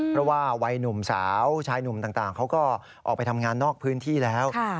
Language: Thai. เพราะว่าวัยหนุ่มสาวชายหนุ่มต่างเขาก็ออกไปทำงานนอกพื้นที่แล้ว